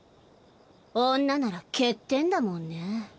女なら欠点だもんね。